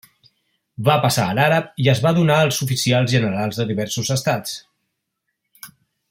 Va passar a l'àrab i es va donar als oficials generals de diversos estats.